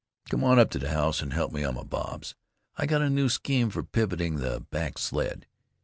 Come on up to the house and help me on my bobs. I got a new scheme for pivoting the back sled....